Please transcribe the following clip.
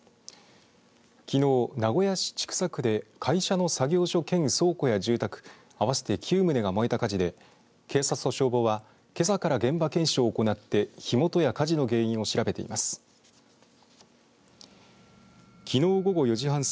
きのう、名古屋市千種区で会社の作業所兼倉庫や住宅合わせて９棟が燃えた火事で警察と消防はけさから現場検証を行って火元や火事の原因を調べています。